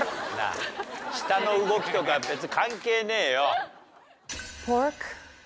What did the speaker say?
舌の動きとか別に関係ねえよ！